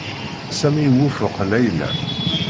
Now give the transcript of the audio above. Sami iwufeq Layla.